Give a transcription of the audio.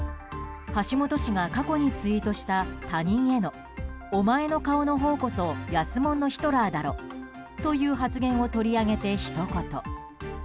橋下氏が過去にツイートした他人へのお前の顔のほうこそ安もんのヒトラーだろという発言を取り上げてひと言。